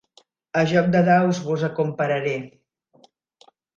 A joc de daus vos acompararé.